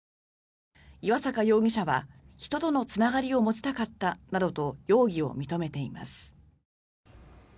岩坂容疑者は人とのつながりを持ちたかったなどと容疑を認めています。